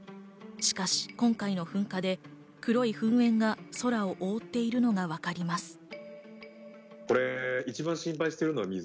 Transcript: しかし今回の噴火で黒い噴煙が空を覆っているのがわかります。